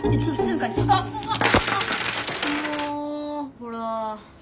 ほら。